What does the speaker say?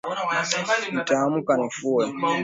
Nitaamka nifue